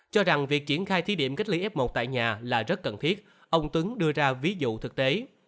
cho rằng việc triển khai thí điểm cách ly f một tại nhà là rất cần thiết ông tuấn đưa ra ví dụ thực tế